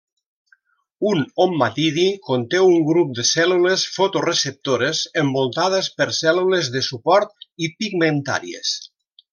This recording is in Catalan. Un ommatidi conté un grup de cèl·lules fotoreceptores envoltades per cèl·lules de suport i pigmentàries.